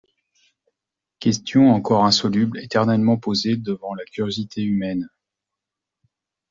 Questions encore insolubles, éternellement posées devant la curiosité humaine!